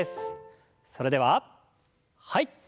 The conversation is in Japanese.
それでははい。